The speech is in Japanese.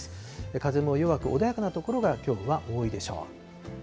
風も弱く、穏やかな所がきょうは多いでしょう。